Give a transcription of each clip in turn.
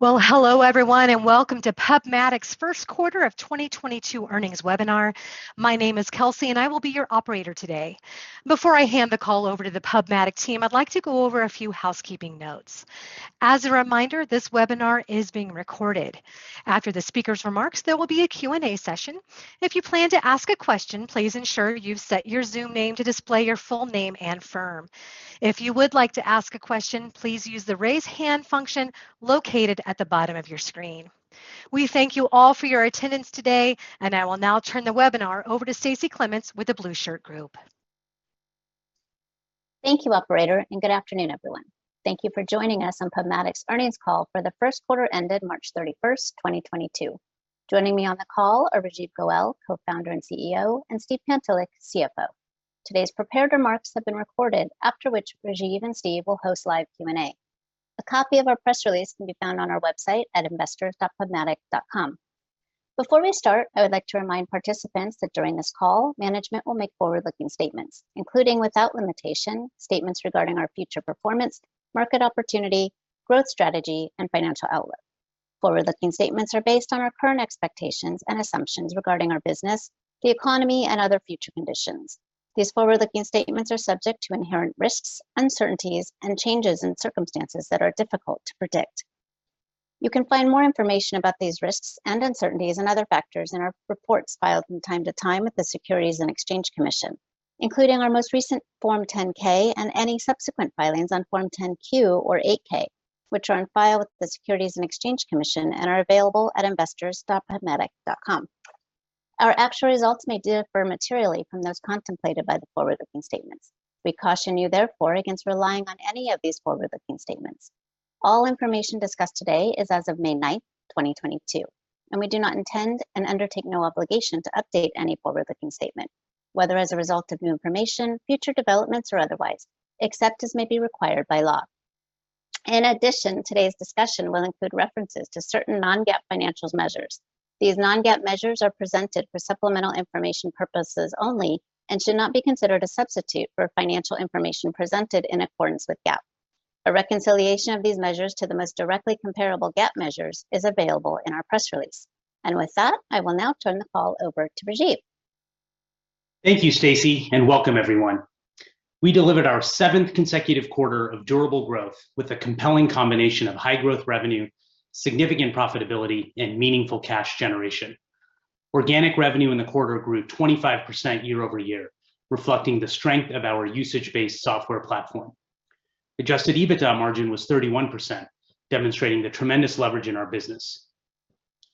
Well, hello everyone, and welcome to PubMatic's first quarter of 2022 earnings webinar. My name is Kelsey, and I will be your operator today. Before I hand the call over to the PubMatic team, I'd like to go over a few housekeeping notes. As a reminder, this webinar is being recorded. After the speaker's remarks, there will be a Q&A session. If you plan to ask a question, please ensure you've set your Zoom name to display your full name and firm. If you would like to ask a question, please use the Raise Hand function located at the bottom of your screen. We thank you all for your attendance today, and I will now turn the webinar over to Stacie Clements with The Blueshirt Group. Thank you, operator, and good afternoon, everyone. Thank you for joining us on PubMatic's earnings call for the first quarter ended March 31, 2022. Joining me on the call are Rajeev Goel, Co-founder and CEO, and Steve Pantelick, CFO. Today's prepared remarks have been recorded, after which Rajeev and Steve will host live Q&A. A copy of our press release can be found on our website at investors.pubmatic.com. Before we start, I would like to remind participants that during this call, management will make forward-looking statements, including without limitation, statements regarding our future performance, market opportunity, growth strategy, and financial outlook. Forward-looking statements are based on our current expectations and assumptions regarding our business, the economy, and other future conditions. These forward-looking statements are subject to inherent risks, uncertainties, and changes in circumstances that are difficult to predict. You can find more information about these risks and uncertainties and other factors in our reports filed from time to time with the Securities and Exchange Commission, including our most recent Form 10-K and any subsequent filings on Form 10-Q or 8-K, which are on file with the Securities and Exchange Commission and are available at investors.pubmatic.com. Our actual results may differ materially from those contemplated by the forward-looking statements. We caution you therefore against relying on any of these forward-looking statements. All information discussed today is as of May 9, 2022, and we do not intend and undertake no obligation to update any forward-looking statement, whether as a result of new information, future developments, or otherwise, except as may be required by law. In addition, today's discussion will include references to certain non-GAAP financial measures. These non-GAAP measures are presented for supplemental information purposes only and should not be considered a substitute for financial information presented in accordance with GAAP. A reconciliation of these measures to the most directly comparable GAAP measures is available in our press release. With that, I will now turn the call over to Rajeev. Thank you, Stacy, and welcome everyone. We delivered our 7th consecutive quarter of durable growth with a compelling combination of high-growth revenue, significant profitability, and meaningful cash generation. Organic revenue in the quarter grew 25% year-over-year, reflecting the strength of our usage-based software platform. Adjusted EBITDA margin was 31%, demonstrating the tremendous leverage in our business.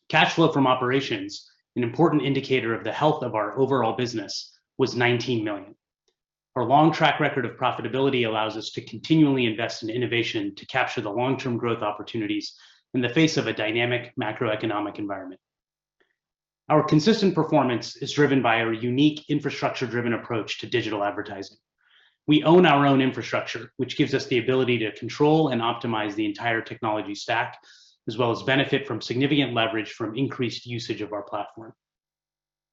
Cash flow from operations, an important indicator of the health of our overall business, was $19 million. Our long track record of profitability allows us to continually invest in innovation to capture the long-term growth opportunities in the face of a dynamic macroeconomic environment. Our consistent performance is driven by our unique infrastructure-driven approach to digital advertising. We own our own infrastructure, which gives us the ability to control and optimize the entire technology stack, as well as benefit from significant leverage from increased usage of our platform.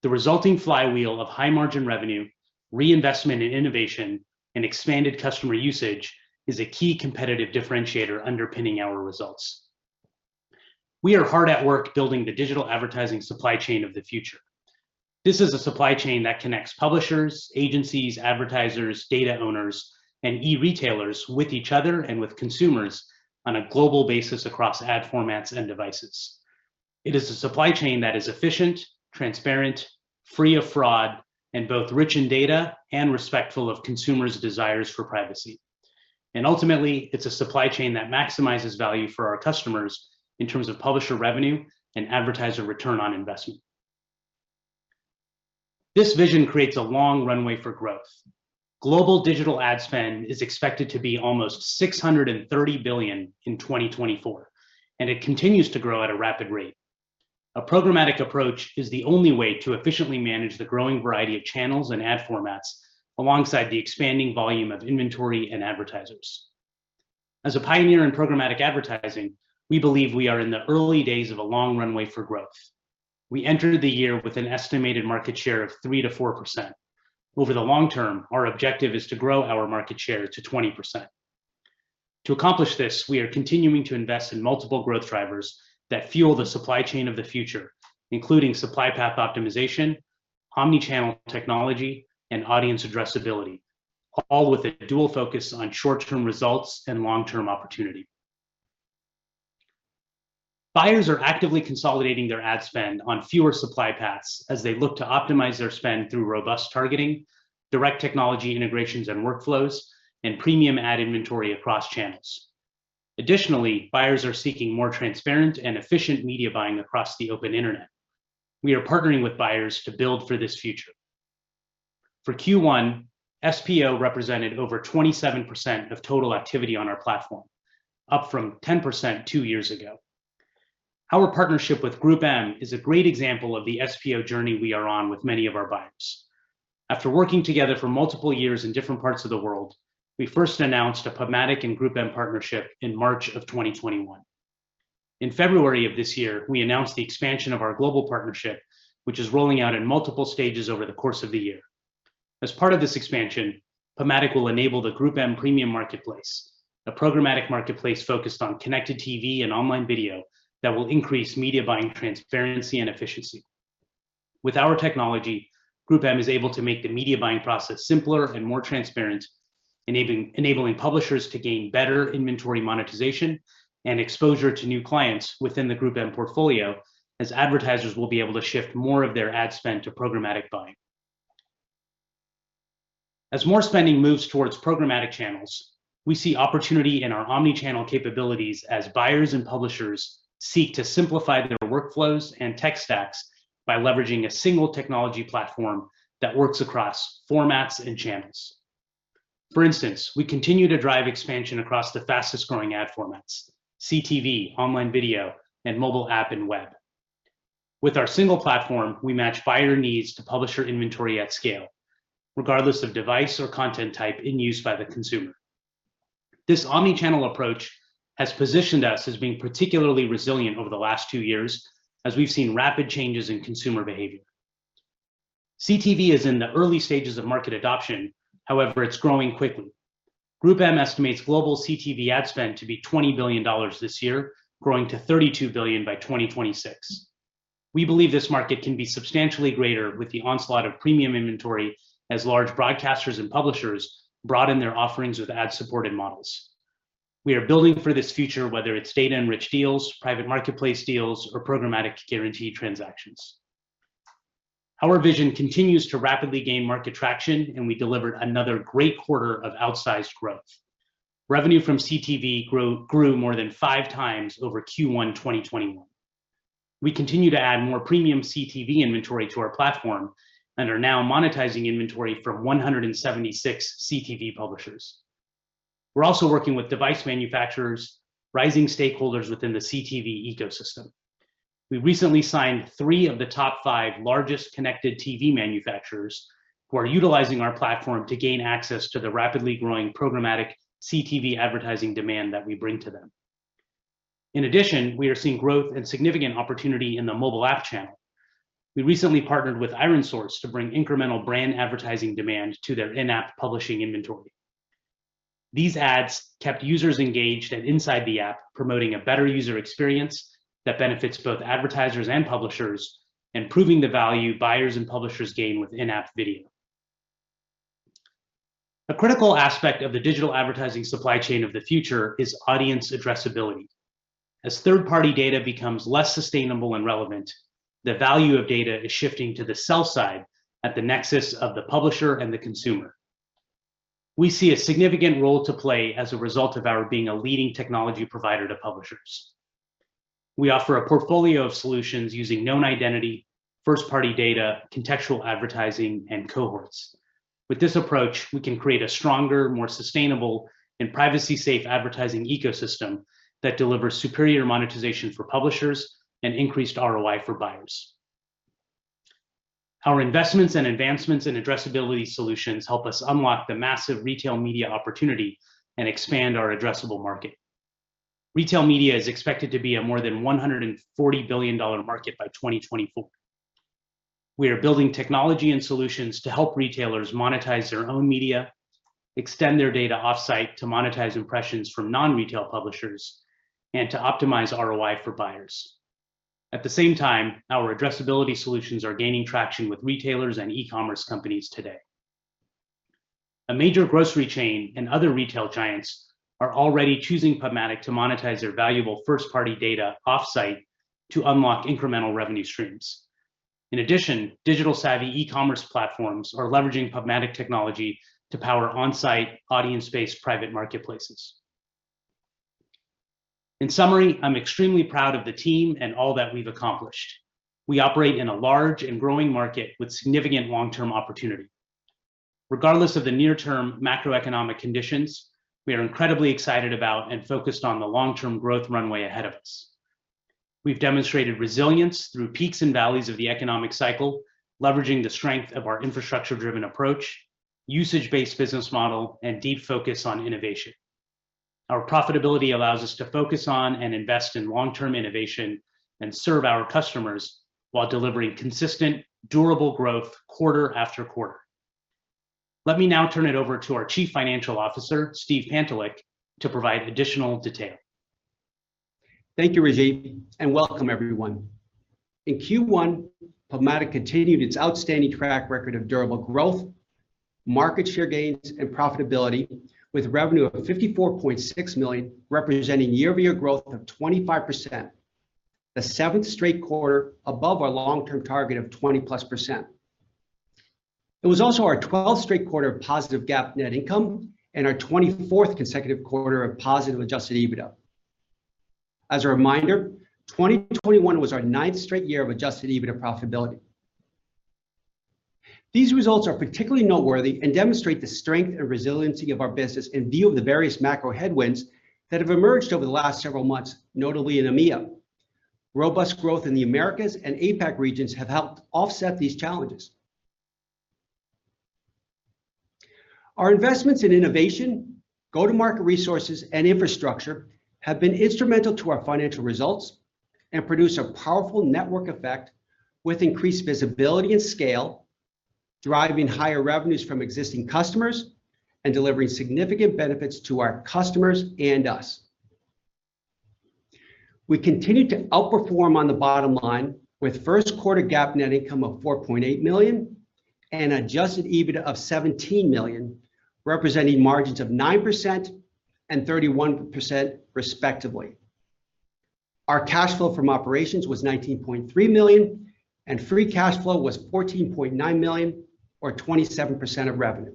The resulting flywheel of high-margin revenue, reinvestment in innovation, and expanded customer usage is a key competitive differentiator underpinning our results. We are hard at work building the digital advertising supply chain of the future. This is a supply chain that connects publishers, agencies, advertisers, data owners, and e-retailers with each other and with consumers on a global basis across ad formats and devices. It is a supply chain that is efficient, transparent, free of fraud, and both rich in data and respectful of consumers' desires for privacy. Ultimately, it's a supply chain that maximizes value for our customers in terms of publisher revenue and advertiser return on investment. This vision creates a long runway for growth. Global digital ad spend is expected to be almost $630 billion in 2024, and it continues to grow at a rapid rate. A programmatic approach is the only way to efficiently manage the growing variety of channels and ad formats alongside the expanding volume of inventory and advertisers. As a pioneer in programmatic advertising, we believe we are in the early days of a long runway for growth. We entered the year with an estimated market share of 3%-4%. Over the long term, our objective is to grow our market share to 20%. To accomplish this, we are continuing to invest in multiple growth drivers that fuel the supply chain of the future, including supply path optimization, omni-channel technology, and audience addressability, all with a dual focus on short-term results and long-term opportunity. Buyers are actively consolidating their ad spend on fewer supply paths as they look to optimize their spend through robust targeting, direct technology integrations and workflows, and premium ad inventory across channels. Additionally, buyers are seeking more transparent and efficient media buying across the open internet. We are partnering with buyers to build for this future. For Q1, SPO represented over 27% of total activity on our platform, up from 10% two years ago. Our partnership with GroupM is a great example of the SPO journey we are on with many of our buyers. After working together for multiple years in different parts of the world, we first announced a PubMatic and GroupM partnership in March 2021. In February of this year, we announced the expansion of our global partnership, which is rolling out in multiple stages over the course of the year. As part of this expansion, PubMatic will enable the GroupM Premium Marketplace, a programmatic marketplace focused on connected TV and online video that will increase media buying transparency and efficiency. With our technology, GroupM is able to make the media buying process simpler and more transparent, enabling publishers to gain better inventory monetization and exposure to new clients within the GroupM portfolio, as advertisers will be able to shift more of their ad spend to programmatic buying. As more spending moves towards programmatic channels, we see opportunity in our omni-channel capabilities as buyers and publishers seek to simplify their workflows and tech stacks by leveraging a single technology platform that works across formats and channels. For instance, we continue to drive expansion across the fastest-growing ad formats, CTV, online video, and mobile app and web. With our single platform, we match buyer needs to publisher inventory at scale regardless of device or content type in use by the consumer. This omni-channel approach has positioned us as being particularly resilient over the last two years as we've seen rapid changes in consumer behavior. CTV is in the early stages of market adoption, however, it's growing quickly. GroupM estimates global CTV ad spend to be $20 billion this year, growing to $32 billion by 2026. We believe this market can be substantially greater with the onslaught of premium inventory as large broadcasters and publishers broaden their offerings with ad-supported models. We are building for this future, whether it's data-enriched deals, private marketplace deals, or programmatic guaranteed transactions. Our vision continues to rapidly gain market traction, and we delivered another great quarter of outsized growth. Revenue from CTV grew more than five times over Q1 2021. We continue to add more premium CTV inventory to our platform and are now monetizing inventory from 176 CTV publishers. We're also working with device manufacturers, rising stakeholders within the CTV ecosystem. We recently signed three of the top five largest connected TV manufacturers who are utilizing our platform to gain access to the rapidly growing programmatic CTV advertising demand that we bring to them. In addition, we are seeing growth and significant opportunity in the mobile app channel. We recently partnered with ironSource to bring incremental brand advertising demand to their in-app publishing inventory. These ads kept users engaged and inside the app, promoting a better user experience that benefits both advertisers and publishers, and proving the value buyers and publishers gain with in-app video. A critical aspect of the digital advertising supply chain of the future is audience addressability. As third-party data becomes less sustainable and relevant, the value of data is shifting to the sell side at the nexus of the publisher and the consumer. We see a significant role to play as a result of our being a leading technology provider to publishers. We offer a portfolio of solutions using known identity, first-party data, contextual advertising, and cohorts. With this approach, we can create a stronger, more sustainable, and privacy-safe advertising ecosystem that delivers superior monetization for publishers and increased ROI for buyers. Our investments and advancements in addressability solutions help us unlock the massive retail media opportunity and expand our addressable market. Retail media is expected to be a more than $140 billion market by 2024. We are building technology and solutions to help retailers monetize their own media, extend their data off-site to monetize impressions from non-retail publishers, and to optimize ROI for buyers. At the same time, our addressability solutions are gaining traction with retailers and e-commerce companies today. A major grocery chain and other retail giants are already choosing PubMatic to monetize their valuable first-party data off-site to unlock incremental revenue streams. In addition, digital-savvy e-commerce platforms are leveraging PubMatic technology to power on-site, audience-based private marketplaces. In summary, I'm extremely proud of the team and all that we've accomplished. We operate in a large and growing market with significant long-term opportunity. Regardless of the near-term macroeconomic conditions, we are incredibly excited about and focused on the long-term growth runway ahead of us. We've demonstrated resilience through peaks and valleys of the economic cycle, leveraging the strength of our infrastructure-driven approach, usage-based business model, and deep focus on innovation. Our profitability allows us to focus on and invest in long-term innovation and serve our customers while delivering consistent, durable growth quarter-after-quarter. Let me now turn it over to our Chief Financial Officer, Steve Pantelick, to provide additional detail. Thank you, Rajeev, and welcome everyone. In Q1, PubMatic continued its outstanding track record of durable growth, market share gains, and profitability with revenue of $54.6 million, representing year-over-year growth of 25%, the seventh straight quarter above our long-term target of 20%+. It was also our 12th straight quarter of positive GAAP net income and our 24th consecutive quarter of positive Adjusted EBITDA. As a reminder, 2021 was our ninth straight year of Adjusted EBITDA profitability. These results are particularly noteworthy and demonstrate the strength and resiliency of our business in view of the various macro headwinds that have emerged over the last several months, notably in EMEA. Robust growth in the Americas and APAC regions have helped offset these challenges. Our investments in innovation, go-to-market resources, and infrastructure have been instrumental to our financial results and produce a powerful network effect with increased visibility and scale, driving higher revenues from existing customers and delivering significant benefits to our customers and us. We continued to outperform on the bottom line with first quarter GAAP net income of $4.8 million and Adjusted EBITDA of $17 million, representing margins of 9% and 31% respectively. Our cash flow from operations was $19.3 million, and Free Cash Flow was $14.9 million or 27% of revenue.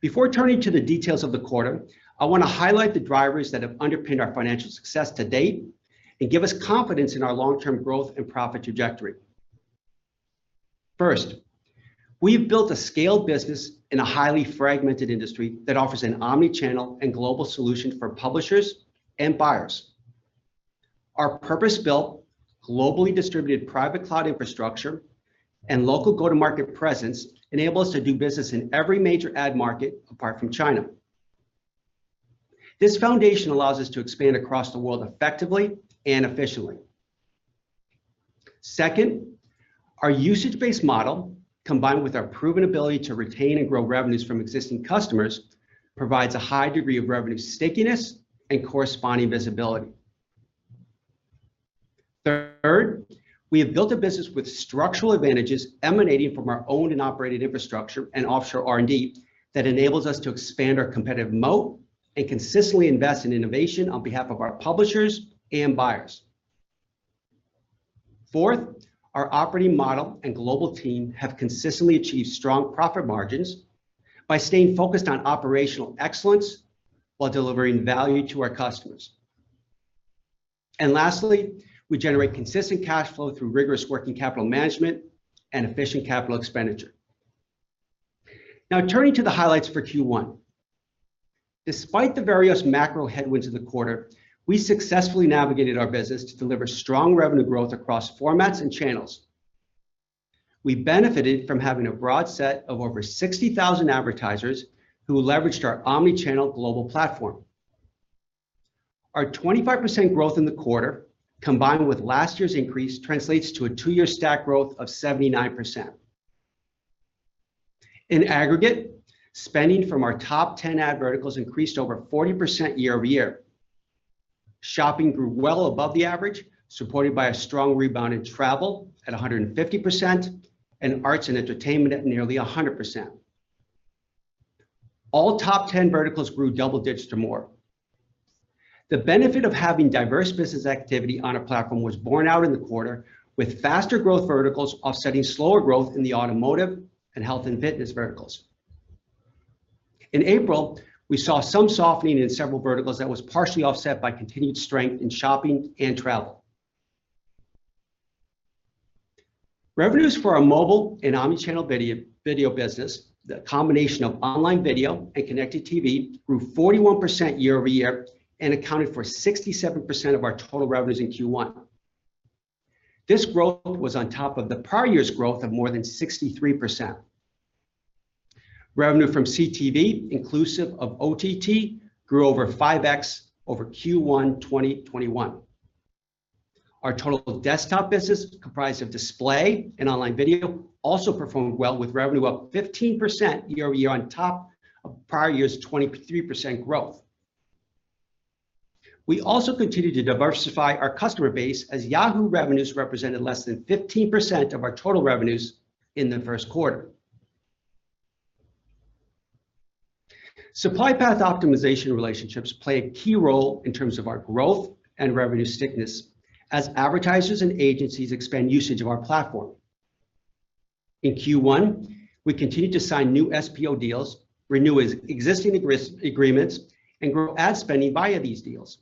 Before turning to the details of the quarter, I want to highlight the drivers that have underpinned our financial success to date and give us confidence in our long-term growth and profit trajectory. First, we've built a scaled business in a highly fragmented industry that offers an omni-channel and global solution for publishers and buyers. Our purpose-built, globally distributed private cloud infrastructure and local go-to-market presence enable us to do business in every major ad market apart from China. This foundation allows us to expand across the world effectively and efficiently. Second, our usage-based model, combined with our proven ability to retain and grow revenues from existing customers, provides a high degree of revenue stickiness and corresponding visibility. Third, we have built a business with structural advantages emanating from our owned and operated infrastructure and offshore R&D that enables us to expand our competitive moat and consistently invest in innovation on behalf of our publishers and buyers. Fourth, our operating model and global team have consistently achieved strong profit margins by staying focused on operational excellence while delivering value to our customers. Lastly, we generate consistent cash flow through rigorous working capital management and efficient capital expenditure. Now, turning to the highlights for Q1. Despite the various macro headwinds in the quarter, we successfully navigated our business to deliver strong revenue growth across formats and channels. We benefited from having a broad set of over 60,000 advertisers who leveraged our omni-channel global platform. Our 25% growth in the quarter, combined with last year's increase, translates to a two-year stack growth of 79%. In aggregate, spending from our top 10 ad verticals increased over 40% year-over-year. Shopping grew well above the average, supported by a strong rebound in travel at 150% and arts and entertainment at nearly 100%. All top 10 verticals grew double digits or more. The benefit of having diverse business activity on our platform was borne out in the quarter with faster growth verticals offsetting slower growth in the automotive and health and fitness verticals. In April, we saw some softening in several verticals that was partially offset by continued strength in shopping and travel. Revenues for our mobile and omni-channel video business, the combination of online video and connected TV, grew 41% year-over-year and accounted for 67% of our total revenues in Q1. This growth was on top of the prior year's growth of more than 63%. Revenue from CTV, inclusive of OTT, grew over 5x over Q1 2021. Our total desktop business, comprised of display and online video, also performed well with revenue up 15% year-over-year on top of prior year's 23% growth. We also continued to diversify our customer base as Yahoo revenues represented less than 15% of our total revenues in the first quarter. Supply path optimization relationships play a key role in terms of our growth and revenue stickiness as advertisers and agencies expand usage of our platform. In Q1, we continued to sign new SPO deals, renew existing agreements, and grow ad spending via these deals.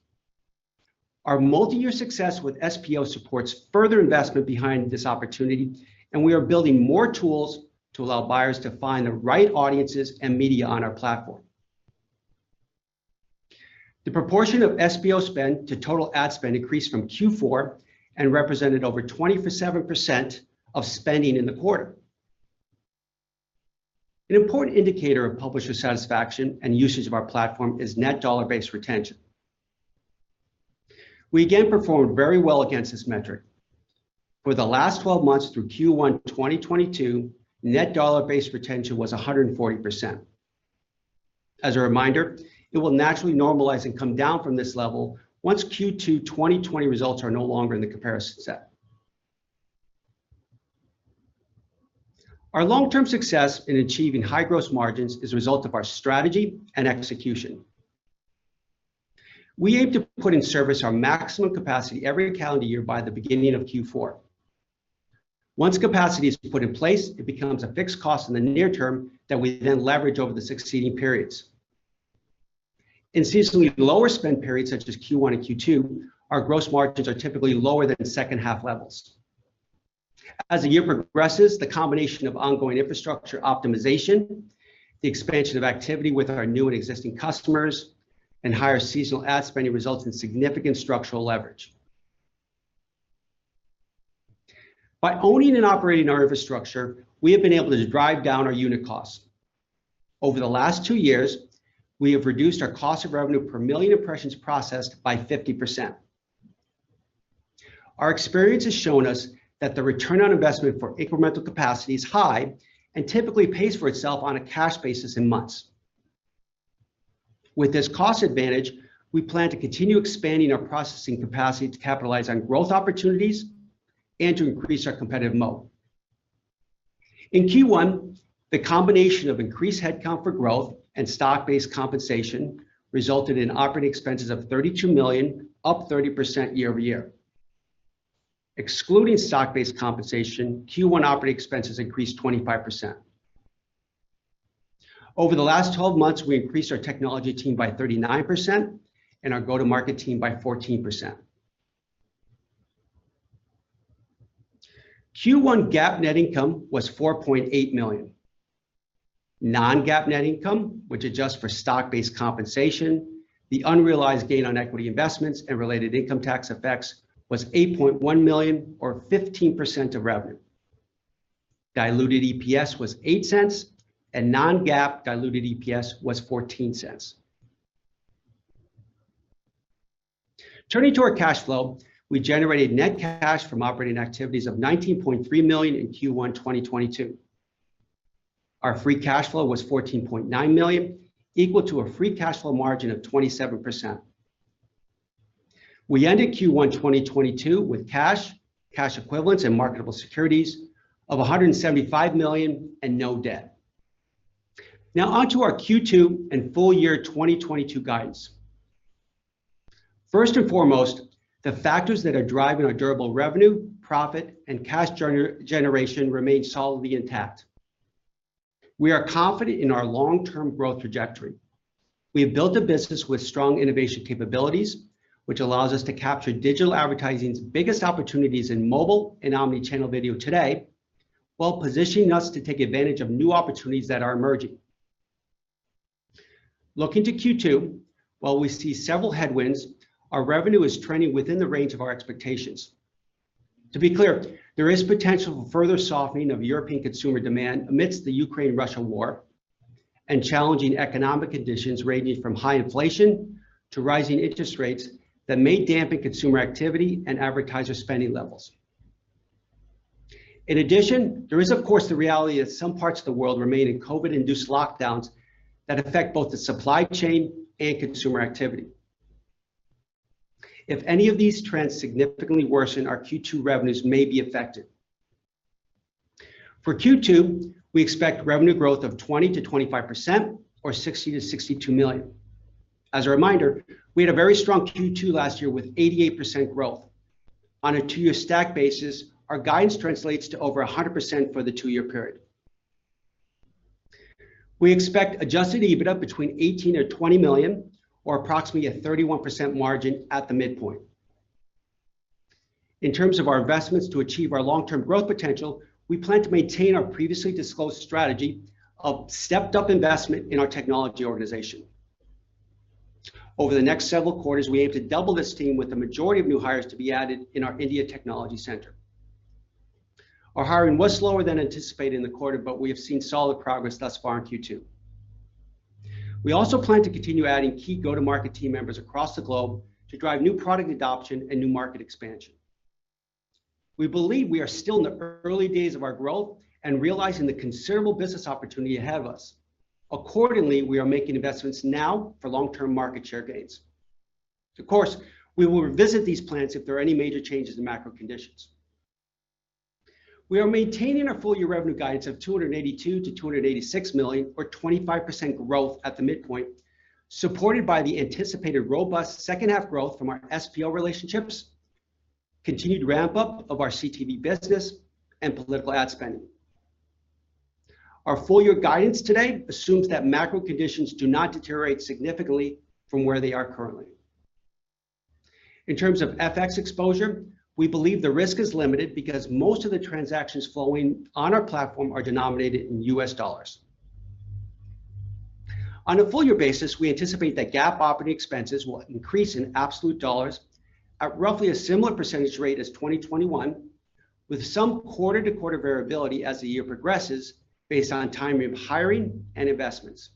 Our multi-year success with SPO supports further investment behind this opportunity, and we are building more tools to allow buyers to find the right audiences and media on our platform. The proportion of SPO spend to total ad spend increased from Q4 and represented over 27% of spending in the quarter. An important indicator of publisher satisfaction and usage of our platform is net dollar-based retention. We again performed very well against this metric. For the last 12 months through Q1 2022, net dollar-based retention was 140%. As a reminder, it will naturally normalize and come down from this level once Q2 2020 results are no longer in the comparison set. Our long-term success in achieving high gross margins is a result of our strategy and execution. We aim to put in service our maximum capacity every calendar year by the beginning of Q4. Once capacity is put in place, it becomes a fixed cost in the near term that we then leverage over the succeeding periods. In seasonally lower spend periods such as Q1 and Q2, our gross margins are typically lower than second half levels. As the year progresses, the combination of ongoing infrastructure optimization, the expansion of activity with our new and existing customers, and higher seasonal ad spending results in significant structural leverage. By owning and operating our infrastructure, we have been able to drive down our unit costs. Over the last two years, we have reduced our cost of revenue per million impressions processed by 50%. Our experience has shown us that the return on investment for incremental capacity is high and typically pays for itself on a cash basis in months. With this cost advantage, we plan to continue expanding our processing capacity to capitalize on growth opportunities and to increase our competitive moat. In Q1, the combination of increased headcount for growth and stock-based compensation resulted in operating expenses of $32 million, up 30% year-over-year. Excluding stock-based compensation, Q1 operating expenses increased 25%. Over the last 12-months, we increased our technology team by 39% and our go-to-market team by 14%. Q1 GAAP net income was $4.8 million. Non-GAAP net income, which adjusts for stock-based compensation, the unrealized gain on equity investments, and related income tax effects, was $8.1 million or 15% of revenue. Diluted EPS was $0.08 and non-GAAP diluted EPS was $0.14. Turning to our cash flow, we generated net cash from operating activities of $19.3 million in Q1 2022. Our Free Cash Flow was $14.9 million, equal to a Free Cash Flow margin of 27%. We ended Q1 2022 with cash equivalents, and marketable securities of $175 million and no debt. Now on to our Q2 and full year 2022 guidance. First and foremost, the factors that are driving our durable revenue, profit, and cash generation remain solidly intact. We are confident in our long-term growth trajectory. We have built a business with strong innovation capabilities, which allows us to capture digital advertising's biggest opportunities in mobile and omnichannel video today, while positioning us to take advantage of new opportunities that are emerging. Looking to Q2, while we see several headwinds, our revenue is trending within the range of our expectations. To be clear, there is potential for further softening of European consumer demand amidst the Ukraine-Russia war and challenging economic conditions ranging from high inflation to rising interest rates that may dampen consumer activity and advertiser spending levels. In addition, there is of course, the reality that some parts of the world remain in COVID-induced lockdowns that affect both the supply chain and consumer activity. If any of these trends significantly worsen, our Q2 revenues may be affected. For Q2, we expect revenue growth of 20%-25% or $60 million-$62 million. As a reminder, we had a very strong Q2 last year with 88% growth. On a two-year stack basis, our guidance translates to over 100% for the two-year period. We expect Adjusted EBITDA between $18 million and $20 million or approximately a 31% margin at the midpoint. In terms of our investments to achieve our long-term growth potential, we plan to maintain our previously disclosed strategy of stepped-up investment in our technology organization. Over the next several quarters, we aim to double this team with the majority of new hires to be added in our India technology center. Our hiring was slower than anticipated in the quarter, but we have seen solid progress thus far in Q2. We also plan to continue adding key go-to-market team members across the globe to drive new product adoption and new market expansion. We believe we are still in the early days of our growth and realizing the considerable business opportunity ahead of us. Accordingly, we are making investments now for long-term market share gains. Of course, we will revisit these plans if there are any major changes in macro conditions. We are maintaining our full-year revenue guidance of $282 million-$286 million or 25% growth at the midpoint, supported by the anticipated robust second half growth from our SPO relationships, continued ramp-up of our CTV business, and political ad spending. Our full-year guidance today assumes that macro conditions do not deteriorate significantly from where they are currently. In terms of FX exposure, we believe the risk is limited because most of the transactions flowing on our platform are denominated in U.S. dollars. On a full-year basis, we anticipate that GAAP operating expenses will increase in absolute dollars at roughly a similar percentage rate as 2021, with some quarter-to-quarter variability as the year progresses based on timing of hiring and investments.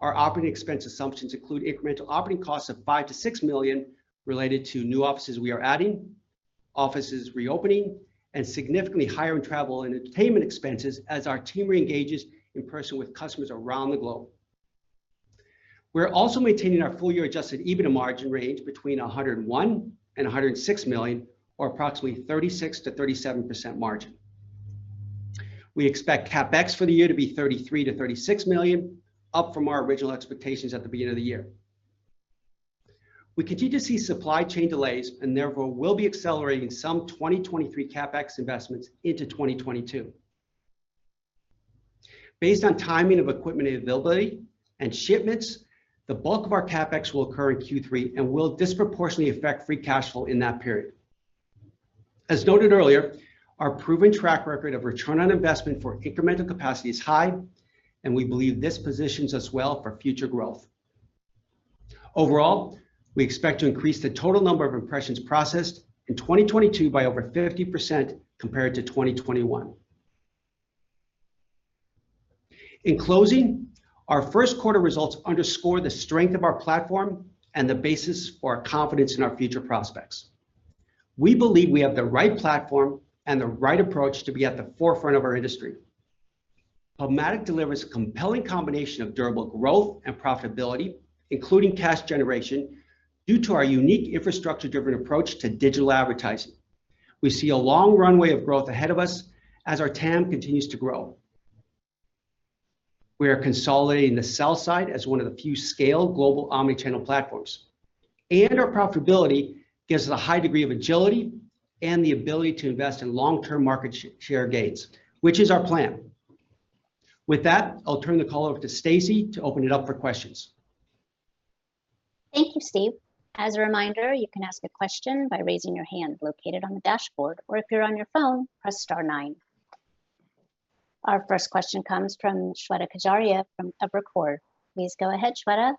Our operating expense assumptions include incremental operating costs of $5 million-$6 million related to new offices we are adding, offices reopening, and significantly higher travel and entertainment expenses as our team reengages in person with customers around the globe. We're also maintaining our full-year Adjusted EBITDA margin range between $101 million-$106 million or approximately 36%-37% margin. We expect CapEx for the year to be $33 million-$36 million, up from our original expectations at the beginning of the year. We continue to see supply chain delays and therefore will be accelerating some 2023 CapEx investments into 2022. Based on timing of equipment availability and shipments, the bulk of our CapEx will occur in Q3 and will disproportionately affect Free Cash Flow in that period. As noted earlier, our proven track record of return on investment for incremental capacity is high, and we believe this positions us well for future growth. Overall, we expect to increase the total number of impressions processed in 2022 by over 50% compared to 2021. In closing, our first quarter results underscore the strength of our platform and the basis for our confidence in our future prospects. We believe we have the right platform and the right approach to be at the forefront of our industry. PubMatic delivers a compelling combination of durable growth and profitability, including cash generation, due to our unique infrastructure-driven approach to digital advertising. We see a long runway of growth ahead of us as our TAM continues to grow. We are consolidating the sell side as one of the few scaled global omni-channel platforms. Our profitability gives us a high degree of agility and the ability to invest in long-term market share gains, which is our plan. With that, I'll turn the call over to Stacy to open it up for questions. Thank you, Steve. As a reminder, you can ask a question by raising your hand located on the dashboard, or if you're on your phone, press star nine. Our first question comes from Shweta Khajuria from Evercore. Please go ahead, Shweta.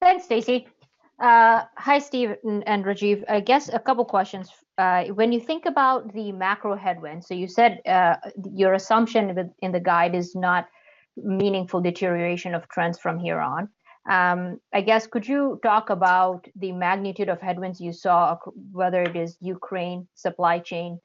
Thanks, Stacy. Hi, Steve and Rajeev. I guess a couple questions. When you think about the macro headwinds, so you said your assumption in the guide is not meaningful deterioration of trends from here on. I guess could you talk about the magnitude of headwinds you saw, whether it is Ukraine, supply chain,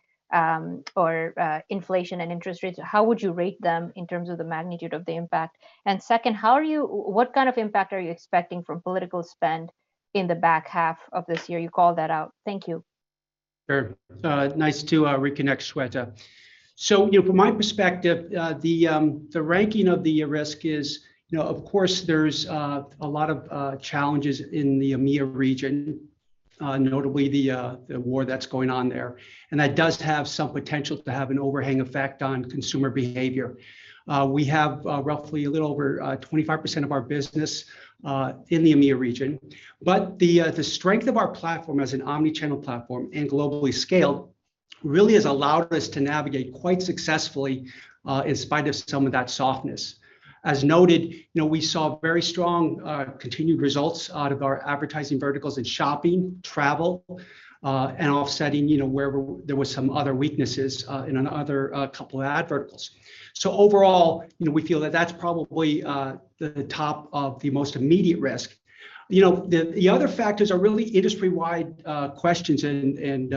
or inflation and interest rates? How would you rate them in terms of the magnitude of the impact? Second, what kind of impact are you expecting from political spend in the back half of this year? You called that out. Thank you. Sure. Nice to reconnect, Shweta. You know, from my perspective, the ranking of the risk is, you know, of course, there's a lot of challenges in the EMEA region, notably the war that's going on there. That does have some potential to have an overhang effect on consumer behavior. We have roughly a little over 25% of our business in the EMEA region. The strength of our platform as an omni-channel platform and globally scaled really has allowed us to navigate quite successfully in spite of some of that softness. As noted, you know, we saw very strong continued results out of our advertising verticals in shopping, travel, and offsetting, you know, where there was some other weaknesses in another couple of ad verticals. Overall, you know, we feel that that's probably the top of the most immediate risk. You know, the other factors are really industry-wide questions and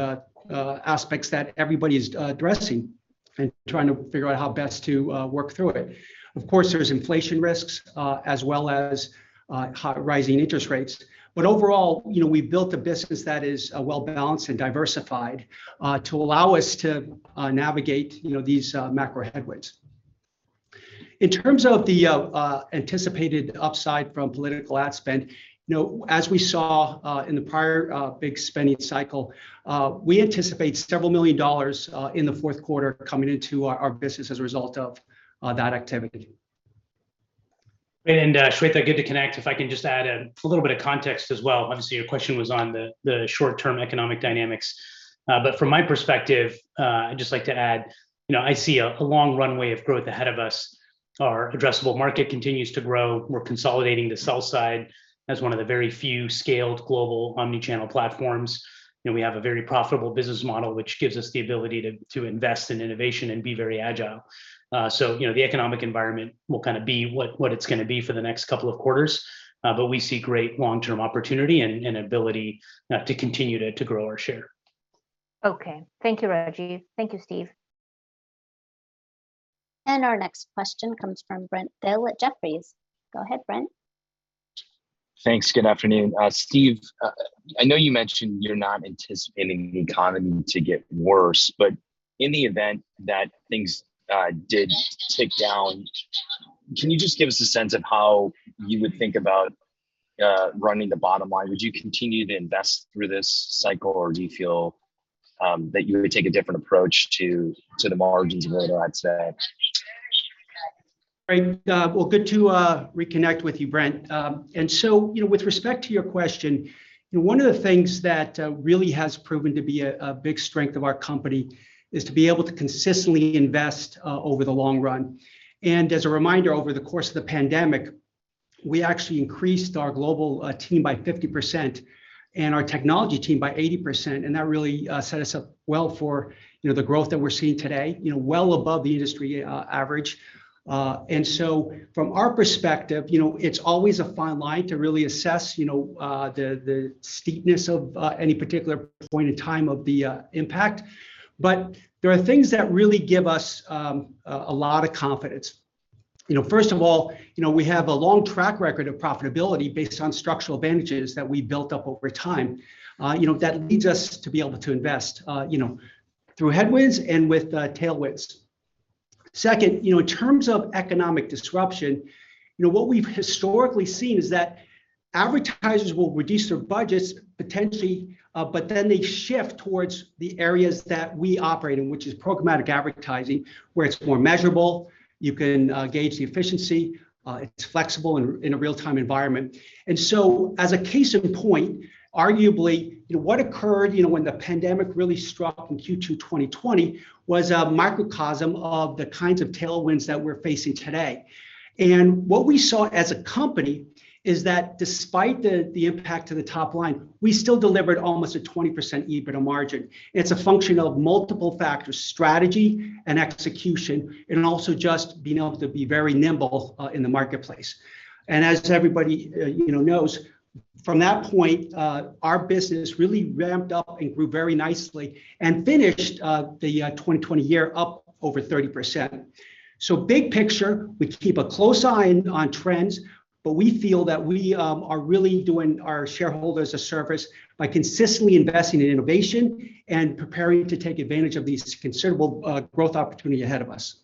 aspects that everybody's addressing and trying to figure out how best to work through it. Of course, there's inflation risks as well as high rising interest rates. Overall, you know, we've built a business that is well-balanced and diversified to allow us to navigate, you know, these macro headwinds. In terms of the anticipated upside from political ad spend, you know, as we saw in the prior big spending cycle, we anticipate several million dollars in the fourth quarter coming into our business as a result of that activity. Shweta, good to connect. If I can just add a little bit of context as well. Obviously, your question was on the short-term economic dynamics. From my perspective, I'd just like to add, you know, I see a long runway of growth ahead of us. Our addressable market continues to grow. We're consolidating the sell side as one of the very few scaled global omni-channel platforms. You know, we have a very profitable business model, which gives us the ability to invest in innovation and be very agile. You know, the economic environment will kind of be what it's gonna be for the next couple of quarters, but we see great long-term opportunity and ability to continue to grow our share. Okay. Thank you, Rajeev. Thank you, Steve. Our next question comes from Brent Thill at Jefferies. Go ahead, Brent. Thanks. Good afternoon. Steve, I know you mentioned you're not anticipating the economy to get worse, but in the event that things did tick down, can you just give us a sense of how you would think about running the bottom line? Would you continue to invest through this cycle, or do you feel that you would take a different approach to the margins later, I'd say? Great. Well, good to reconnect with you, Brent. You know, with respect to your question, you know, one of the things that really has proven to be a big strength of our company is to be able to consistently invest over the long run. As a reminder, over the course of the pandemic, we actually increased our global team by 50% and our technology team by 80%, and that really set us up well for, you know, the growth that we're seeing today, you know, well above the industry average. From our perspective, you know, it's always a fine line to really assess, you know, the steepness of any particular point in time of the impact. There are things that really give us a lot of confidence. You know, first of all, you know, we have a long track record of profitability based on structural advantages that we built up over time. You know, that leads us to be able to invest, you know, through headwinds and with tailwinds. Second, you know, in terms of economic disruption, you know, what we've historically seen is that advertisers will reduce their budgets potentially, but then they shift towards the areas that we operate in, which is programmatic advertising, where it's more measurable, you can gauge the efficiency, it's flexible in a real-time environment. As a case in point, arguably, you know, what occurred, you know, when the pandemic really struck in Q2 2020 was a microcosm of the kinds of tailwinds that we're facing today. What we saw as a company is that despite the impact to the top line, we still delivered almost a 20% EBITDA margin. It's a function of multiple factors, strategy and execution, and also just being able to be very nimble in the marketplace. As everybody you know knows, from that point our business really ramped up and grew very nicely and finished the 2020 year up over 30%. Big picture, we keep a close eye on trends, but we feel that we are really doing our shareholders a service by consistently investing in innovation and preparing to take advantage of these considerable growth opportunity ahead of us.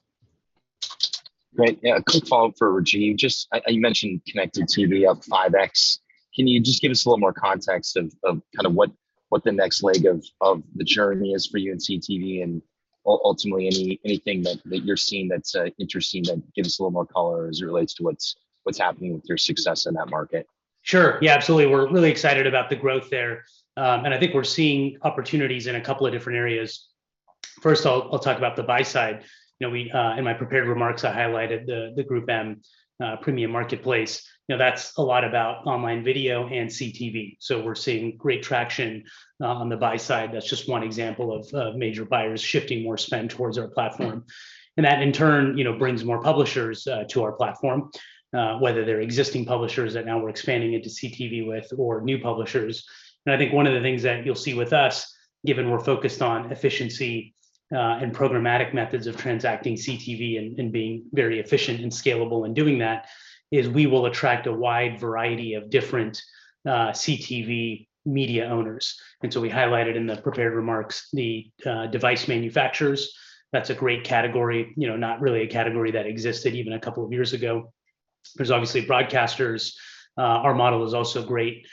Great. Yeah. A quick follow-up for Rajeev. Just, you mentioned connected TV up 5x. Can you just give us a little more context of kind of what the next leg of the journey is for you in CTV and ultimately anything that you're seeing that's interesting that gives a little more color as it relates to what's happening with your success in that market? Sure. Yeah, absolutely. We're really excited about the growth there. I think we're seeing opportunities in a couple of different areas. First, I'll talk about the buy side. You know, we in my prepared remarks, I highlighted the GroupM Premium Marketplace. You know, that's a lot about online video and CTV. So we're seeing great traction on the buy side. That's just one example of major buyers shifting more spend towards our platform. That in turn, you know, brings more publishers to our platform, whether they're existing publishers that now we're expanding into CTV with or new publishers. I think one of the things that you'll see with us, given we're focused on efficiency, and programmatic methods of transacting CTV and being very efficient and scalable in doing that, is we will attract a wide variety of different, CTV media owners. We highlighted in the prepared remarks the, device manufacturers. That's a great category, you know, not really a category that existed even a couple of years ago. There's obviously broadcasters. Our model is also great,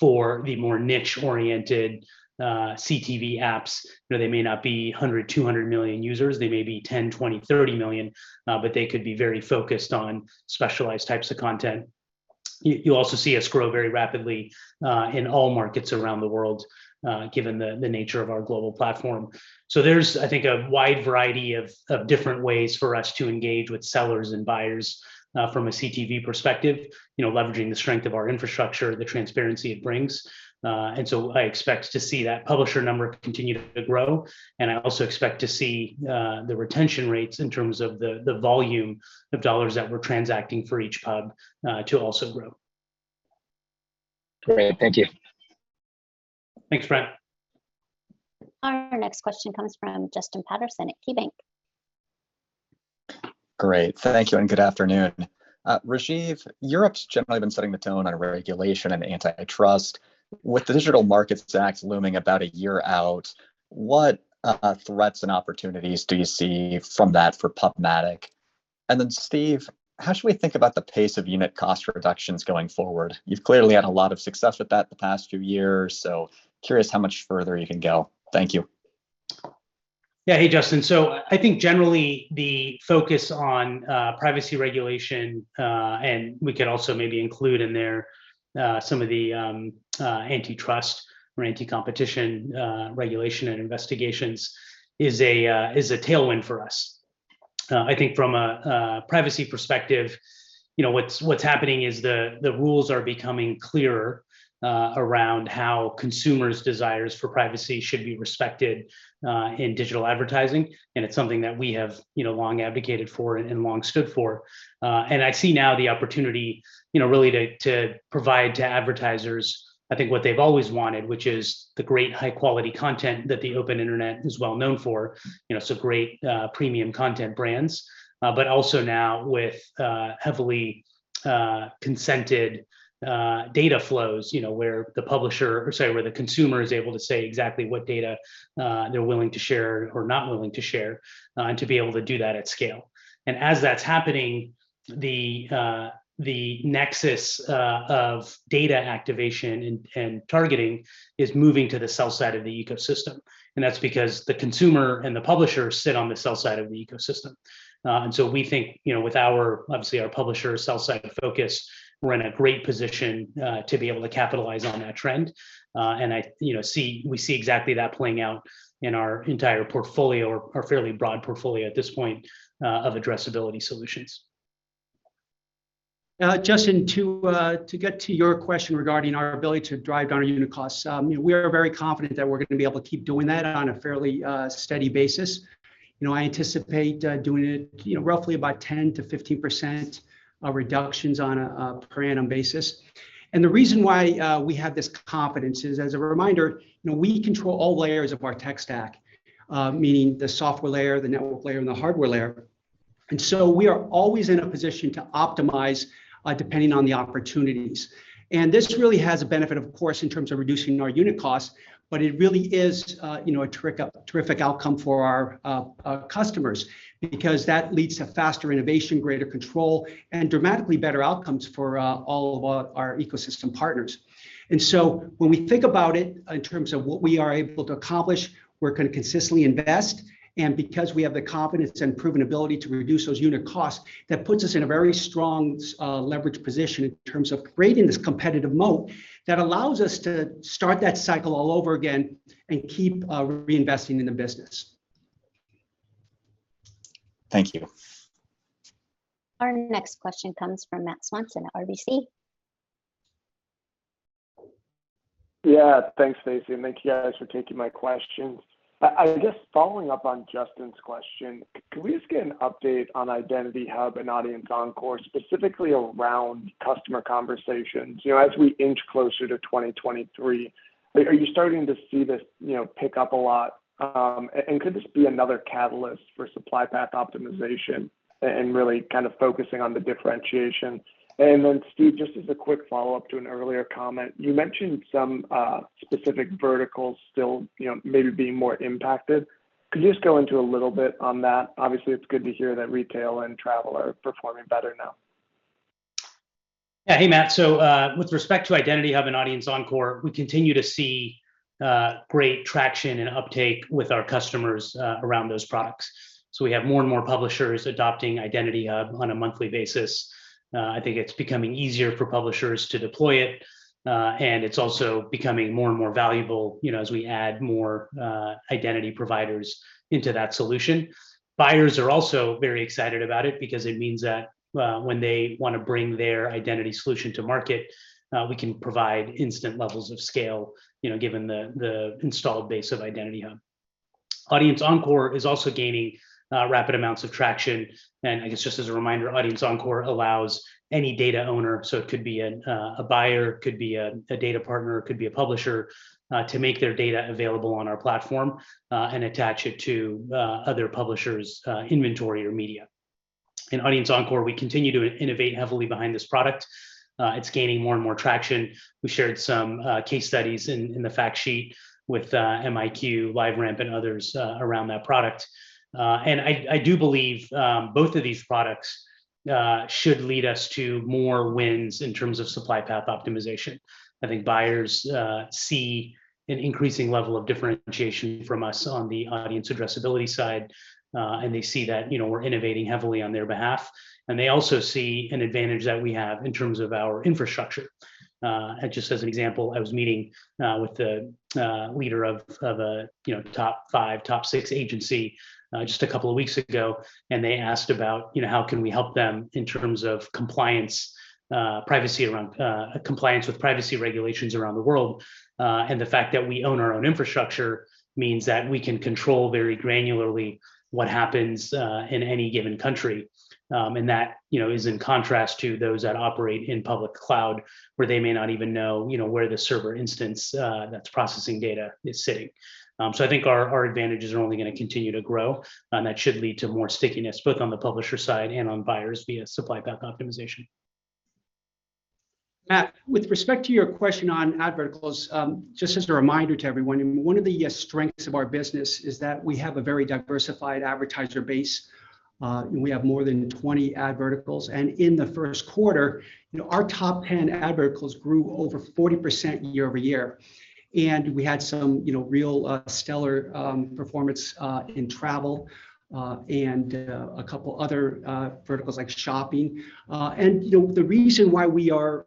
for the more niche-oriented, CTV apps. You know, they may not be 100 million, 200 million users. They may be 10 million, 20 million, 30 million, but they could be very focused on specialized types of content. You also see us grow very rapidly, in all markets around the world, given the nature of our global platform. There's, I think, a wide variety of different ways for us to engage with sellers and buyers from a CTV perspective, you know, leveraging the strength of our infrastructure, the transparency it brings. I expect to see that publisher number continue to grow, and I also expect to see the retention rates in terms of the volume of dollars that we're transacting for each pub to also grow. Great. Thank you. Thanks, Brent Thill. Our next question comes from Justin Patterson at KeyBanc. Great. Thank you, and good afternoon. Rajeev, Europe's generally been setting the tone on regulation and antitrust. With the Digital Markets Act looming about a year out, what threats and opportunities do you see from that for PubMatic? Then Steve, how should we think about the pace of unit cost reductions going forward? You've clearly had a lot of success with that the past few years, so curious how much further you can go. Thank you. Yeah. Hey, Justin. I think generally the focus on privacy regulation, and we could also maybe include in there some of the antitrust or anti-competition regulation and investigations is a tailwind for us. I think from a privacy perspective, you know, what's happening is the rules are becoming clearer around how consumers' desires for privacy should be respected in digital advertising, and it's something that we have, you know, long advocated for and long stood for. I see now the opportunity, you know, really to provide to advertisers, I think, what they've always wanted, which is the great high-quality content that the open internet is well known for. You know, so great premium content brands. also now with heavily consented data flows, you know, where the publisher, or sorry, where the consumer is able to say exactly what data they're willing to share or not willing to share, and to be able to do that at scale. As that's happening, the nexus of data activation and targeting is moving to the sell side of the ecosystem, and that's because the consumer and the publisher sit on the sell side of the ecosystem. We think, you know, with our, obviously our publisher sell side focus, we're in a great position to be able to capitalize on that trend. We see exactly that playing out in our entire portfolio or our fairly broad portfolio at this point of addressability solutions. Justin, to get to your question regarding our ability to drive down our unit costs, you know, we are very confident that we're gonna be able to keep doing that on a fairly steady basis. You know, I anticipate doing it, you know, roughly about 10%-15% reductions on a per annum basis. The reason why we have this confidence is, as a reminder, you know, we control all layers of our tech stack, meaning the software layer, the network layer, and the hardware layer. We are always in a position to optimize depending on the opportunities. This really has a benefit, of course, in terms of reducing our unit costs, but it really is, you know, a terrific outcome for our customers because that leads to faster innovation, greater control, and dramatically better outcomes for all of our ecosystem partners. When we think about it in terms of what we are able to accomplish, we're gonna consistently invest. Because we have the confidence and proven ability to reduce those unit costs, that puts us in a very strong leverage position in terms of creating this competitive moat that allows us to start that cycle all over again and keep reinvesting in the business. Thank you. Our next question comes from Matt Swanson at RBC. Yeah. Thanks Stacy, and thank you guys for taking my questions. I guess following up on Justin's question, can we just get an update on Identity Hub and Audience Encore specifically around customer conversations? You know, as we inch closer to 2023, are you starting to see this, you know, pick up a lot? And could this be another catalyst for supply path optimization and really kind of focusing on the differentiation? Then Steve, just as a quick follow-up to an earlier comment, you mentioned some specific verticals still, you know, maybe being more impacted. Could you just go into a little bit on that? Obviously, it's good to hear that retail and travel are performing better now. Yeah. Hey, Matt. With respect to Identity Hub and Audience Encore, we continue to see great traction and uptake with our customers around those products. We have more and more publishers adopting Identity Hub on a monthly basis. I think it's becoming easier for publishers to deploy it, and it's also becoming more and more valuable, you know, as we add more identity providers into that solution. Buyers are also very excited about it because it means that when they wanna bring their identity solution to market, we can provide instant levels of scale, you know, given the installed base of Identity Hub. Audience Encore is also gaining rapid amounts of traction. I guess just as a reminder, Audience Encore allows any data owner, so it could be a buyer, could be a data partner, could be a publisher, to make their data available on our platform, and attach it to other publishers' inventory or media. In Audience Encore, we continue to innovate heavily behind this product. It's gaining more and more traction. We shared some case studies in the fact sheet with MiQ, LiveRamp, and others around that product. I do believe both of these products should lead us to more wins in terms of supply path optimization. I think buyers see an increasing level of differentiation from us on the audience addressability side, and they see that, you know, we're innovating heavily on their behalf, and they also see an advantage that we have in terms of our infrastructure. Just as an example, I was meeting with the leader of a, you know, top five, top six agency just a couple of weeks ago, and they asked about, you know, how can we help them in terms of compliance, privacy around compliance with privacy regulations around the world. The fact that we own our own infrastructure means that we can control very granularly what happens in any given country. That, you know, is in contrast to those that operate in public cloud, where they may not even know, you know, where the server instance that's processing data is sitting. I think our advantages are only gonna continue to grow, and that should lead to more stickiness both on the publisher side and on buyers via supply path optimization. Matt, with respect to your question on advert close, just as a reminder to everyone, one of the strengths of our business is that we have a very diversified advertiser base. We have more than 20 ad verticals. In the first quarter, our top 10 ad verticals grew over 40% year-over-year. We had some real stellar performance in travel and a couple other verticals like shopping. The reason why we are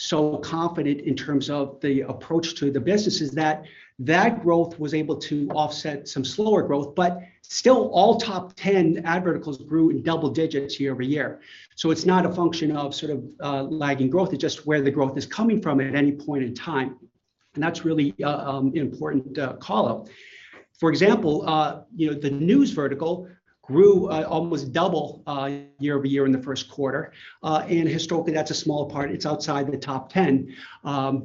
so confident in terms of the approach to the business is that that growth was able to offset some slower growth, but still all top 10 ad verticals grew in double digits year-over-year. It's not a function of sort of lagging growth, it's just where the growth is coming from at any point in time, and that's really an important call-out. For example, you know, the news vertical grew almost double year-over-year in the first quarter. Historically, that's a small part. It's outside the top ten.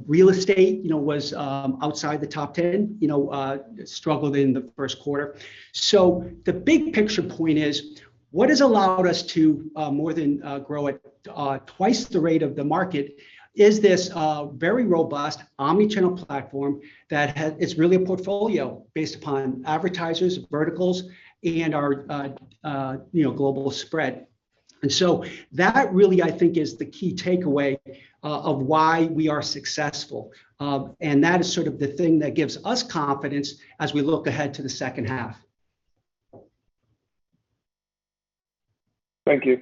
Real estate, you know, was outside the top ten, you know, struggled in the first quarter. The big picture point is, what has allowed us to more than grow at twice the rate of the market is this very robust omni-channel platform that has. It's really a portfolio based upon advertisers, verticals, and our, you know, global spread. That really, I think, is the key takeaway of why we are successful. That is sort of the thing that gives us confidence as we look ahead to the second half. Thank you.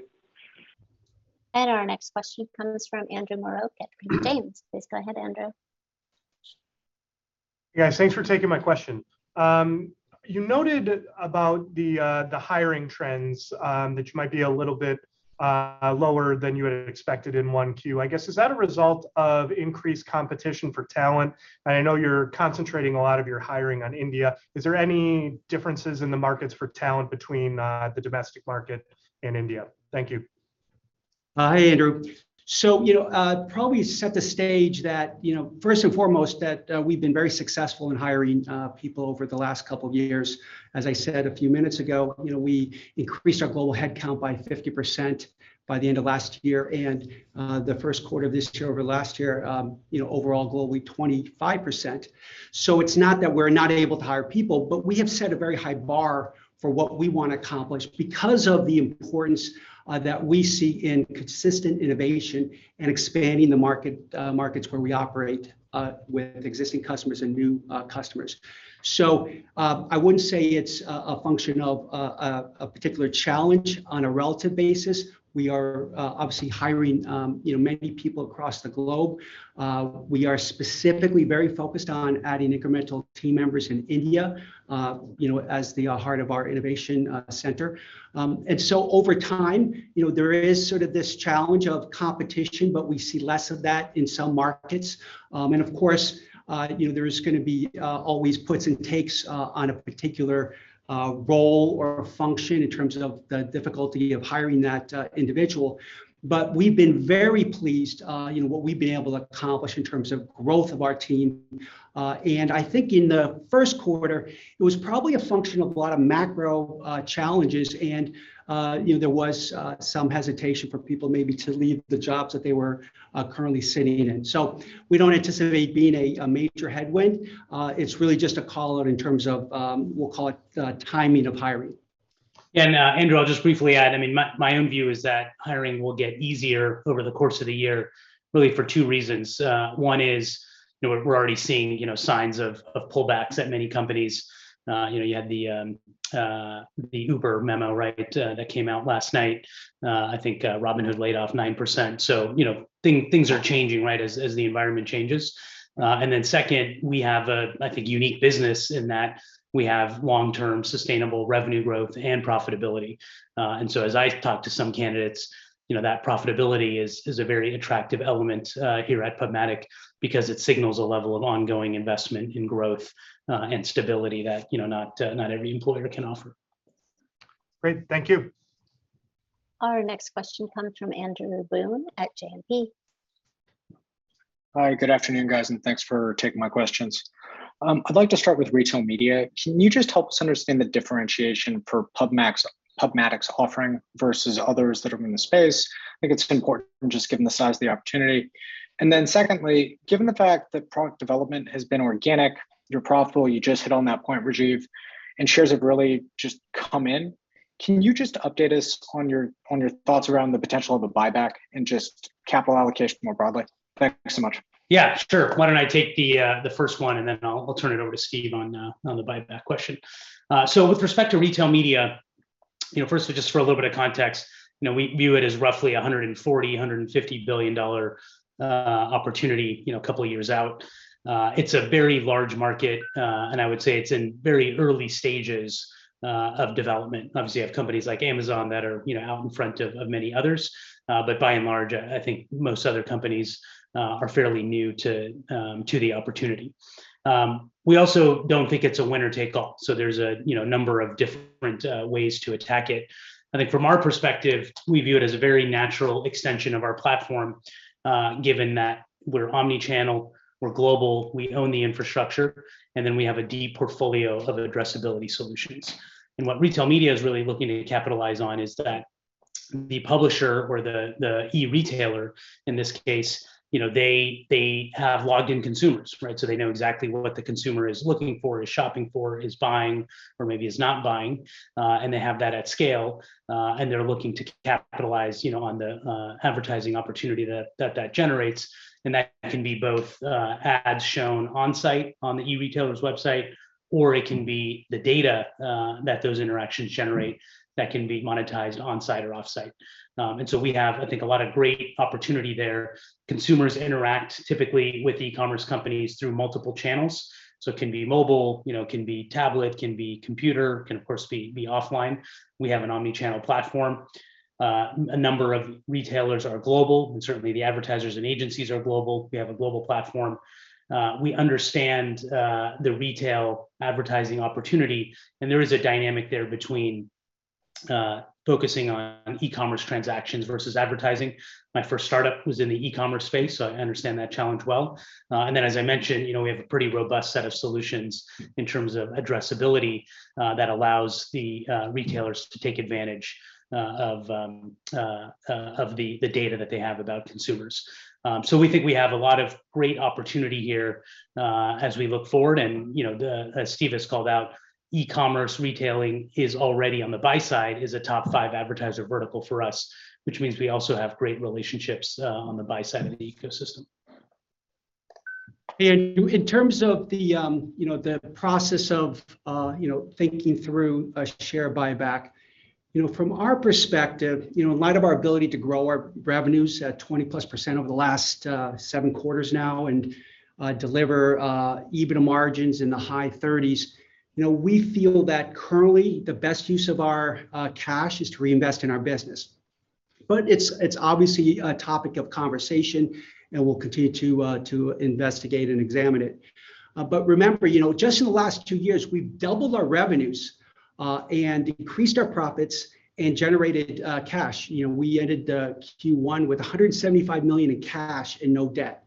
Our next question comes from Andrew Marok at Raymond James. Please go ahead, Andrew. Yes. Thanks for taking my question. You noted about the hiring trends that you might be a little bit lower than you had expected in 1Q. I guess, is that a result of increased competition for talent? I know you're concentrating a lot of your hiring on India. Is there any differences in the markets for talent between the domestic market and India? Thank you. Hi, Andrew. You know, probably set the stage that, you know, first and foremost, that we've been very successful in hiring people over the last couple of years. As I said a few minutes ago, you know, we increased our global headcount by 50% by the end of last year, and the first quarter of this year over last year, you know, overall globally 25%. It's not that we're not able to hire people, but we have set a very high bar for what we want to accomplish because of the importance that we see in consistent innovation and expanding the markets where we operate with existing customers and new customers. I wouldn't say it's a function of a particular challenge on a relative basis. We are obviously hiring, you know, many people across the globe. We are specifically very focused on adding incremental team members in India, you know, as the heart of our innovation center. Over time, you know, there is sort of this challenge of competition, but we see less of that in some markets. Of course, you know, there is gonna be always puts and takes on a particular role or function in terms of the difficulty of hiring that individual. We've been very pleased, you know, what we've been able to accomplish in terms of growth of our team. I think in the first quarter, it was probably a function of a lot of macro challenges and, you know, there was some hesitation for people maybe to leave the jobs that they were currently sitting in. We don't anticipate being a major headwind. It's really just a call-out in terms of, we'll call it the timing of hiring. Andrew, I'll just briefly add, I mean, my own view is that hiring will get easier over the course of the year, really for two reasons. One is, you know, we're already seeing, you know, signs of pullbacks at many companies. You know, you had the Uber memo, right? That came out last night. I think Robinhood laid off 9%. Things are changing, right, as the environment changes. Second, we have a, I think, unique business in that we have long-term sustainable revenue growth and profitability. As I talk to some candidates, you know, that profitability is a very attractive element here at PubMatic because it signals a level of ongoing investment in growth and stability that, you know, not every employer can offer. Great. Thank you. Our next question comes from Andrew Boone at JMP. Hi, good afternoon, guys, and thanks for taking my questions. I'd like to start with retail media. Can you just help us understand the differentiation for PubMatic's offering versus others that are in the space? I think it's important just given the size of the opportunity. Secondly, given the fact that product development has been organic, you're profitable, you just hit on that point, Rajeev, and shares have really just come in. Can you just update us on your thoughts around the potential of a buyback and just capital allocation more broadly? Thank you so much. Yeah, sure. Why don't I take the first one, and then I'll turn it over to Steve on the buyback question. With respect to retail media, you know, first just for a little bit of context, you know, we view it as roughly $140 billion-$150 billion opportunity, you know, a couple of years out. It's a very large market, and I would say it's in very early stages of development. Obviously, you have companies like Amazon that are, you know, out in front of many others. But by and large, I think most other companies are fairly new to the opportunity. We also don't think it's a winner take all. There's a, you know, number of different ways to attack it. I think from our perspective, we view it as a very natural extension of our platform, given that we're omni-channel, we're global, we own the infrastructure, and then we have a deep portfolio of addressability solutions. What retail media is really looking to capitalize on is that the publisher or the e-retailer in this case, you know, they have logged in consumers, right? They know exactly what the consumer is looking for, is shopping for, is buying, or maybe is not buying, and they have that at scale, and they're looking to capitalize, you know, on the advertising opportunity that generates. That can be both, ads shown on site on the e-retailer's website, or it can be the data that those interactions generate that can be monetized on site or off site. We have, I think, a lot of great opportunity there. Consumers interact typically with e-commerce companies through multiple channels. It can be mobile, you know, it can be tablet, it can be computer, it can, of course, be offline. We have an omni-channel platform. A number of retailers are global, and certainly the advertisers and agencies are global. We have a global platform. We understand the retail advertising opportunity, and there is a dynamic there between focusing on e-commerce transactions versus advertising. My first startup was in the e-commerce space, so I understand that challenge well. As I mentioned, you know, we have a pretty robust set of solutions in terms of addressability that allows the retailers to take advantage of the data that they have about consumers. We think we have a lot of great opportunity here, as we look forward. You know, as Steve has called out, e-commerce retailing is already on the buy side, is a top five advertiser vertical for us, which means we also have great relationships on the buy side of the ecosystem. In terms of the process of thinking through a share buyback, you know, from our perspective, you know, in light of our ability to grow our revenues at 20%+ over the last seven quarters now and deliver EBITDA margins in the high 30s%, you know, we feel that currently the best use of our cash is to reinvest in our business. It's obviously a topic of conversation, and we'll continue to investigate and examine it. Remember, you know, just in the last two years, we've doubled our revenues and increased our profits and generated cash. You know, we ended Q1 with $175 million in cash and no debt.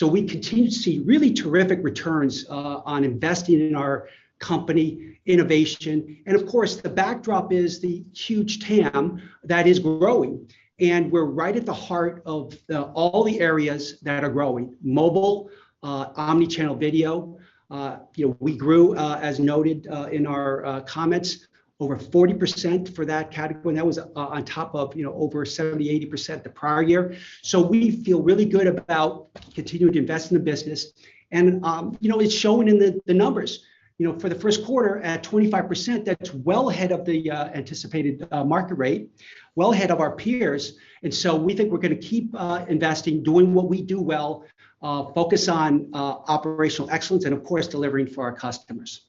We continue to see really terrific returns on investing in our company innovation. Of course, the backdrop is the huge TAM that is growing. We're right at the heart of all the areas that are growing, mobile, omni-channel video. You know, we grew, as noted, in our comments over 40% for that category, and that was on top of, you know, over 70%, 80% the prior year. We feel really good about continuing to invest in the business and, you know, it's shown in the numbers. You know, for the first quarter at 25%, that's well ahead of the anticipated market rate, well ahead of our peers. We think we're gonna keep investing, doing what we do well, focus on operational excellence and of course, delivering for our customers.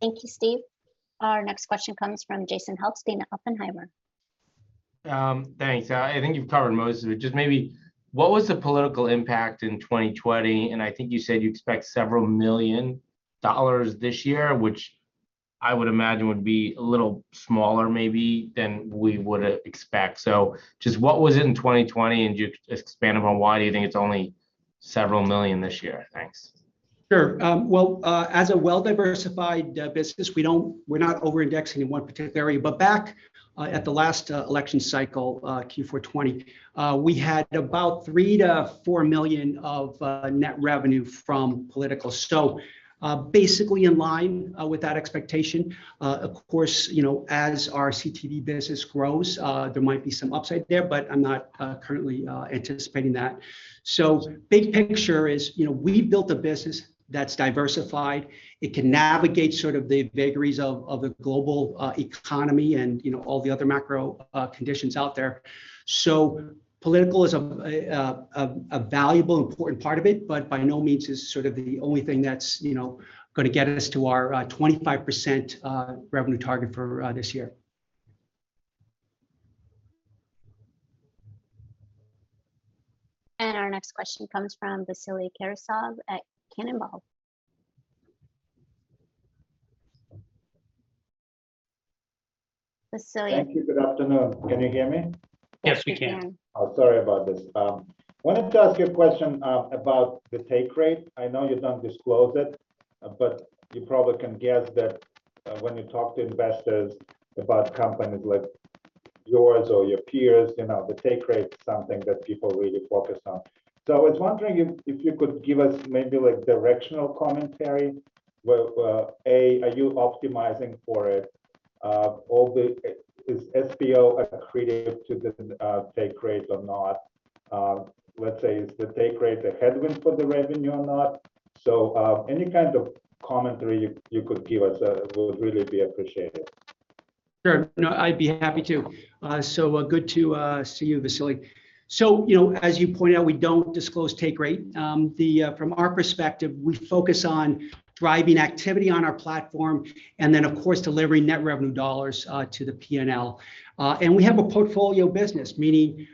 Thank you, Steve. Our next question comes from Jason Helfstein at Oppenheimer. Thanks. I think you've covered most of it. Just maybe what was the political impact in 2020? I think you said you expect several million dollars this year, which I would imagine would be a little smaller maybe than we would expect. Just what was it in 2020? Could you expand upon why you think it's only several million dollars this year? Thanks. Sure. Well, as a well-diversified business, we're not over-indexing in one particular area. Back at the last election cycle, Q4 2020, we had about $3 million-$4 million of net revenue from political. Basically in line with that expectation. Of course, you know, as our CTV business grows, there might be some upside there, but I'm not currently anticipating that. Big picture is, you know, we've built a business that's diversified. It can navigate sort of the vagaries of the global economy and, you know, all the other macro conditions out there. Political is a valuable, important part of it, but by no means is sort of the only thing that's, you know, gonna get us to our 25% revenue target for this year. Our next question comes from Vasily Karasyov at Cannonball. Vasily? Thank you. Good afternoon. Can you hear me? Yes, we can. We can. Oh, sorry about this. Wanted to ask you a question about the take rate. I know you don't disclose it, but you probably can guess that, when you talk to investors about companies like yours or your peers, you know, the take rate is something that people really focus on. I was wondering if you could give us maybe like directional commentary, where are you optimizing for it. Is SPO accretive to the take rates or not? Let's say is the take rate a headwind for the revenue or not? Any kind of commentary you could give us would really be appreciated. Sure. No, I'd be happy to. Good to see you, Vasily. You know, as you pointed out, we don't disclose take rate. From our perspective, we focus on driving activity on our platform and then of course, delivering net revenue dollars to the P&L. We have a portfolio business, meaning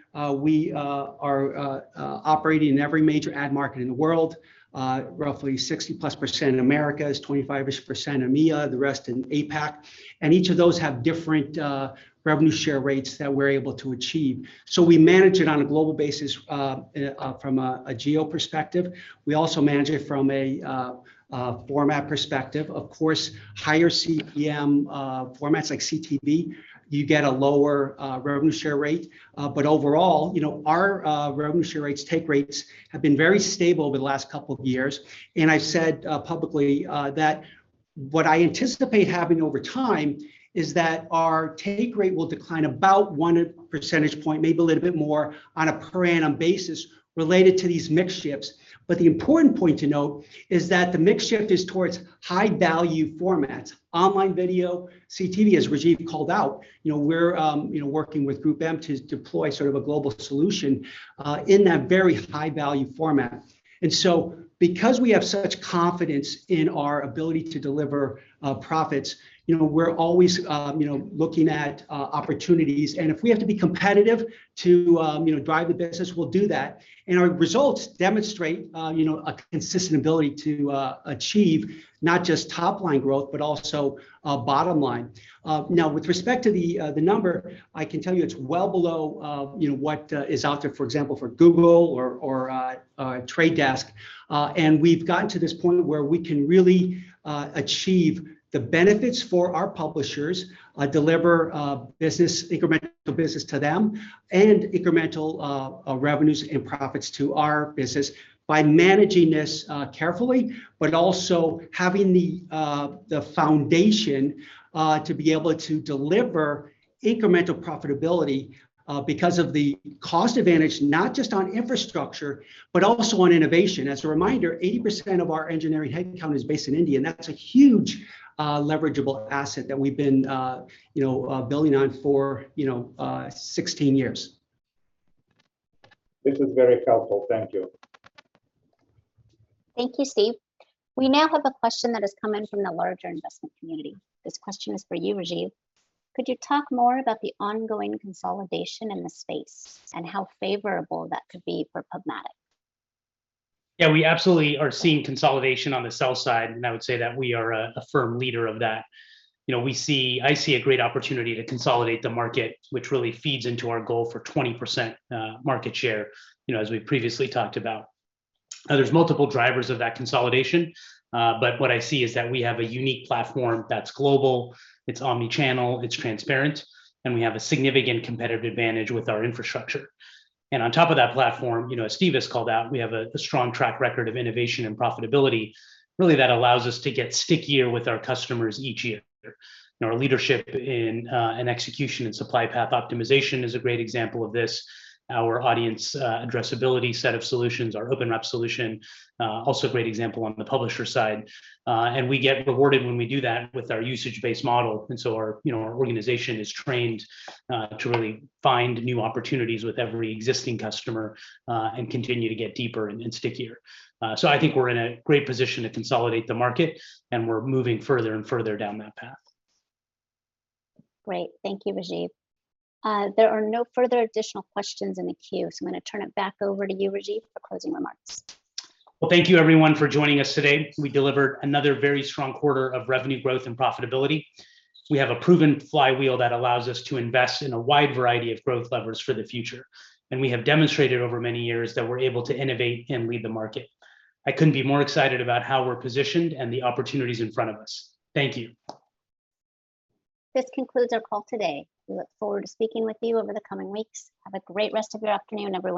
we are operating in every major ad market in the world. Roughly 60+% in America, 25-ish% EMEA, the rest in APAC. Each of those have different revenue share rates that we're able to achieve. We manage it on a global basis from a geo perspective. We also manage it from a format perspective. Of course, higher CPM formats like CTV, you get a lower revenue share rate. Overall, you know, our revenue share rates, take rates have been very stable over the last couple of years. I've said publicly that what I anticipate happening over time is that our take rate will decline about 1 percentage point, maybe a little bit more on a per annum basis related to these mix shifts. The important point to note is that the mix shift is towards high-value formats. Online video, CTV, as Rajeev called out, you know, we're you know, working with GroupM to deploy sort of a global solution in that very high-value format. Because we have such confidence in our ability to deliver profits, you know, we're always you know, looking at opportunities. If we have to be competitive to you know, drive the business, we'll do that. Our results demonstrate, you know, a consistent ability to achieve not just top line growth, but also bottom line. Now with respect to the number, I can tell you it's well below, you know, what is out there, for example, for Google or The Trade Desk. We've gotten to this point where we can really achieve the benefits for our publishers, deliver incremental business to them, and incremental revenues and profits to our business by managing this carefully, but also having the foundation to be able to deliver incremental profitability because of the cost advantage, not just on infrastructure, but also on innovation. As a reminder, 80% of our engineering headcount is based in India, and that's a huge, leverageable asset that we've been, you know, building on for, you know, 16 years. This is very helpful. Thank you. Thank you, Steve. We now have a question that has come in from the larger investment community. This question is for you, Rajeev. Could you talk more about the ongoing consolidation in the space and how favorable that could be for PubMatic? Yeah, we absolutely are seeing consolidation on the sell side, and I would say that we are a firm leader of that. You know, I see a great opportunity to consolidate the market, which really feeds into our goal for 20% market share, you know, as we previously talked about. There's multiple drivers of that consolidation, but what I see is that we have a unique platform that's global, it's omni-channel, it's transparent, and we have a significant competitive advantage with our infrastructure. On top of that platform, you know, as Steve has called out, we have a strong track record of innovation and profitability, really that allows us to get stickier with our customers each year. You know, our leadership in execution and supply path optimization is a great example of this. Our audience addressability set of solutions, our OpenWrap solution, also a great example on the publisher side. We get rewarded when we do that with our usage-based model, and so our, you know, our organization is trained to really find new opportunities with every existing customer, and continue to get deeper and stickier. I think we're in a great position to consolidate the market, and we're moving further and further down that path. Great. Thank you, Rajeev. There are no further additional questions in the queue, so I'm gonna turn it back over to you, Rajeev, for closing remarks. Well, thank you everyone for joining us today. We delivered another very strong quarter of revenue growth and profitability. We have a proven flywheel that allows us to invest in a wide variety of growth levers for the future, and we have demonstrated over many years that we're able to innovate and lead the market. I couldn't be more excited about how we're positioned and the opportunities in front of us. Thank you. This concludes our call today. We look forward to speaking with you over the coming weeks. Have a great rest of your afternoon, everyone.